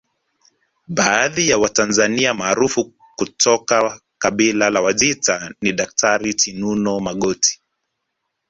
Baadhi ya Watanzania maarufu kutoka kabila la Wajita ni Daktari Chinuno Magoti